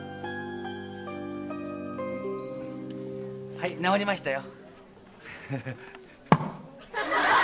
はい直りましたよ。